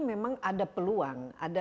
memang ada peluang ada